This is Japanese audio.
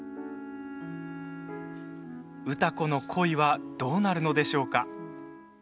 歌子の恋はどうなるのでしょうか。